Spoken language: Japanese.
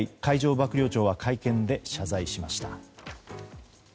幕僚長は会見で謝罪しました。